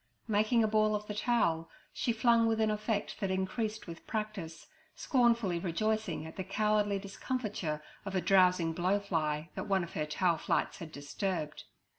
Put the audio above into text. Making a ball of the towel, she flung with an effect that increased with practice, scornfully rejoicing at the cowardly discomfiture of a drowsing blowfly that one of her towel flights had disturbed.